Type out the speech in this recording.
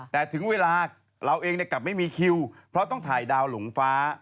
แต่ถึงเวลาเราเองกลับไม่มีคิวเพราะต้องถ่ายดาวหลงฟ้า